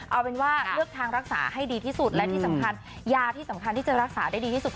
เอาเป็นว่าเลือกทางรักษาให้ดีที่สุดและที่สำคัญยาที่สำคัญที่จะรักษาได้ดีที่สุด